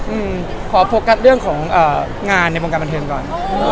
อืมขอโฟกัสเรื่องของเอ่องานในวงการบันเทิงก่อน